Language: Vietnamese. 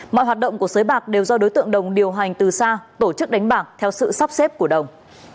mọi hoạt động của sới bạc đều do đối tượng đồng điều hành từ xa tổ chức đánh bạc theo sự sắp xếp của đồng